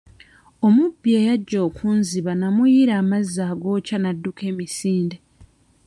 Omubbi eyajja okunziba namuyiira amazzi agookya n'adduka emisinde.